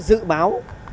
của loài người